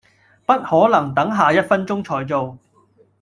不可能等下一分鐘才做